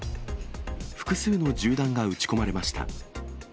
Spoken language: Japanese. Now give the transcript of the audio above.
複数の銃弾が撃ち込まれました。